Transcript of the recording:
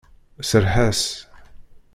Serreḥ-as!